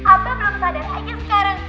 abah belum ada lagi sekarang